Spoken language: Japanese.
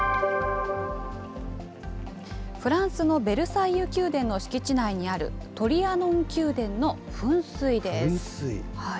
フランスのベルサイユ宮殿の敷地内にあるトリアノン宮殿の噴水で噴水？